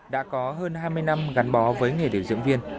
đã có hơn hai mươi năm gắn bó với nghề điều dưỡng viên